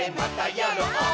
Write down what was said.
やろう！